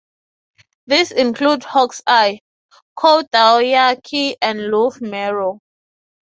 These include Hawk's Eye, Kou Taiki, and Loof Merrow.